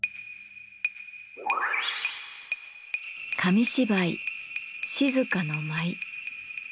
紙芝居「静の舞」。